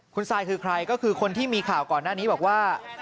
คุณซายคือใครก็คือคนที่มีข่าวก่อนหน้านี้บอกว่า